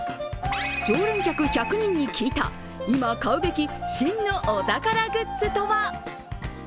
常連客１００人に聞いた、今買うべき真のお宝グッズとは。